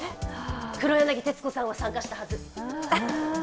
黒柳徹子さんも参加したはず。